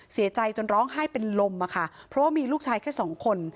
เสียใจจนร้องไห้เป็นลมอะค่ะเพราะว่ามีลูกชายแค่สองคน